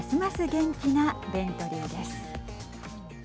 元気なベントリーです。